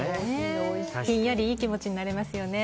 ひんやりいい気持ちになれますよね。